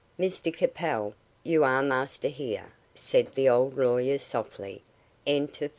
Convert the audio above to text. "Mr Capel, you are master here," said the old lawyer softly. "Enter first."